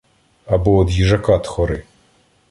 Або од їжака тхори.